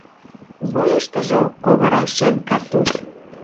Вуйыштыжо — ковыра шем картуз.